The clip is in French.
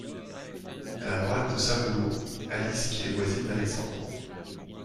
À la droite de Saboulot, Alice qui est voisine d’Alexandrin.